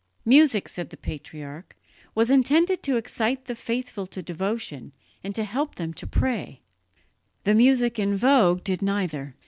Music, said the patriarch, was intended to excite the faithful to devotion and to help them to pray: the music in vogue did neither.